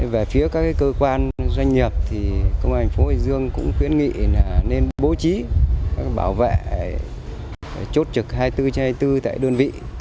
về phía các cơ quan doanh nghiệp công an thành phố hải dương cũng khuyến nghị nên bố trí bảo vệ chốt trực hai mươi bốn hai mươi bốn tại đơn vị